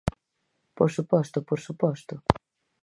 Por suposto, por suposto.